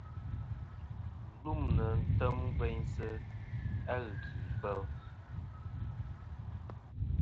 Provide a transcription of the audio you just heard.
Ghɨlûmnɨ ni-a tem gveynsɨ a ghɨkì fel.